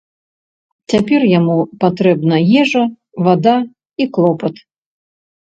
Цяпер яму патрэбна ежа, вада і клопат.